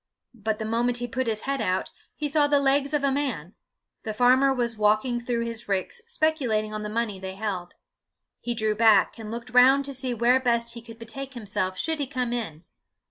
But the moment he put his head out, he saw the legs of a man: the farmer was walking through his ricks, speculating on the money they held. He drew back, and looked round to see where best he could betake himself should he come in.